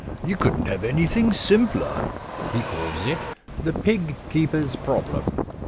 You couldn*t have anything simpler. He calls it " The Pig Keeper's Problem.